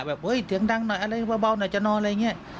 แบบเฮ้ยเสียงดังหน่อยอะไรเบาหน่อยจะนอนอะไรอย่างนี้